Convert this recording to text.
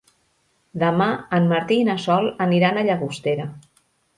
Demà en Martí i na Sol aniran a Llagostera.